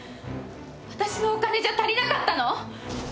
私のお金じゃ足りなかったの？